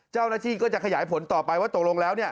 เจ้าหน้าที่ก็จะขยายผลต่อไปว่าตกลงแล้วเนี่ย